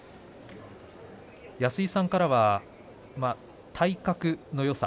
安井さんからは体格のよさ